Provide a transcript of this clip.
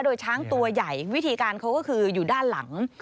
โดยช้างตัวใหญ่วิธีการเขาก็คืออยู่ด้านหลัง